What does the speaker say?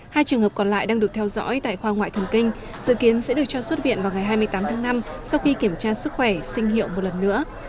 hai trường hợp còn lại đang được theo dõi tại khoa ngoại thần kinh dự kiến sẽ được cho xuất viện vào ngày hai mươi tám tháng năm sau khi kiểm tra sức khỏe sinh hiệu một lần nữa